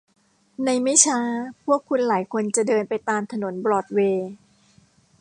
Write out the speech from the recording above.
ในไม่ช้าพวกคุณหลายคนจะเดินไปตามถนนบรอดเวย์